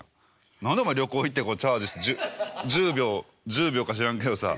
何でお前旅行行ってチャージして１０秒１０秒か知らんけどさ。